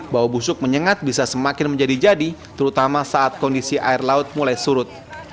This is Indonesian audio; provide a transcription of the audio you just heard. bau busuk menyengat bisa semakin menjadi jadi terutama saat kondisi air laut mulai surut